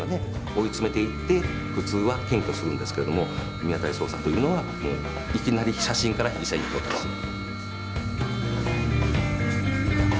追い詰めていって普通は検挙するんですけれどもミアタリ捜査というのはいきなり写真から被疑者に行こうとする。